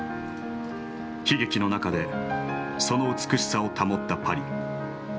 悲劇の中でその美しさを保ったパリ。